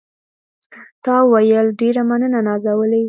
تا وویل: ډېره مننه نازولې.